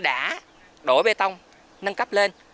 đã đổi bê tông nâng cấp lên